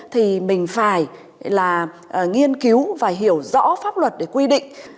thì mình phải là nghiên cứu và hiểu rõ pháp luật để quy định